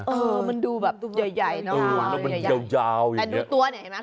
เออมันดูแบบอย่ายนะบ้างนะโอ้มันเยาอย่างเงี้ยแต่ดูตัวเนี่ยเห็นไหม